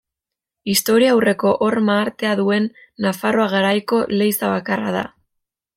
Historiaurreko horma artea duen Nafarroa Garaiko leize bakarra da.